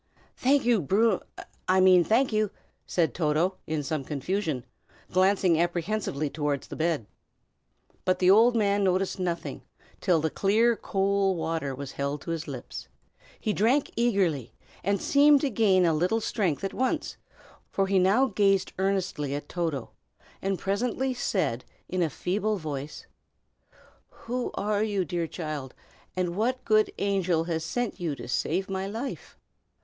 "Thank you, Bru I mean, thank you!" said Toto, in some confusion, glancing apprehensively toward the bed. But the old man noticed nothing, till the clear cool water was held to his lips. He drank eagerly, and seemed to gain a little strength at once, for he now gazed earnestly at Toto, and presently said, in a feeble voice: "Who are you, dear child, and what good angel has sent you to save my life?"